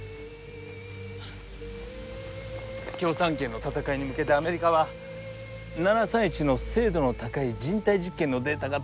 共産圏の戦いに向けてアメリカは７３１の精度の高い人体実験のデータがどうしても欲しかった。